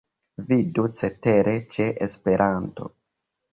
Vidu cetere ĉe Esperanto.